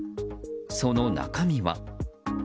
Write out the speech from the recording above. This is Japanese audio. その中身は。